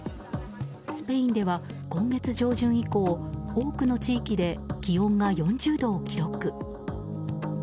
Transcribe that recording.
スペインでは今月上旬以降多くの地域で気温が４０度を記録。